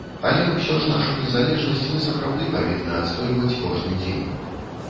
Але ўсё ж нашу незалежнасць мы сапраўды павінны адстойваць кожны дзень.